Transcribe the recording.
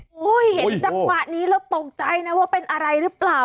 โอ้โหเห็นจังหวะนี้แล้วตกใจนะว่าเป็นอะไรหรือเปล่า